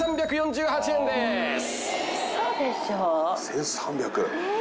１，３００。